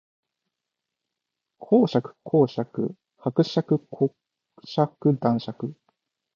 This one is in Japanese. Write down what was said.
公爵侯爵伯爵子爵男爵